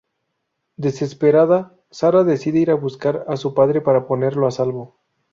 Desesperada, Sara decide ir a buscar a su padre para ponerlo a salvo.